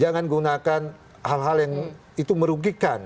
jangan gunakan hal hal yang itu merugikan